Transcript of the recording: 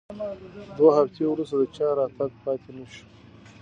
دوه هفتې وروسته د چا راتګ پاتې نه شو.